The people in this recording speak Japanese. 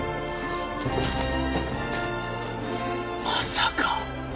まさか。